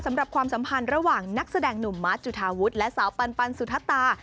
ความสัมพันธ์ระหว่างนักแสดงหนุ่มมาร์ชจุธาวุฒิและสาวปันสุธตา